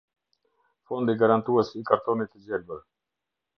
Fondi Garantues i Kartonit të Gjelbër.